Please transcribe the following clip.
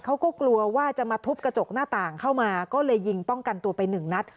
เขาก็กลัวว่าจะมาทุบกระจกหน้าต่างเข้ามาก็เลยยิงป้องกันตัวไปหนึ่งนัด